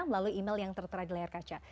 melalui email yang tertera di layar kaca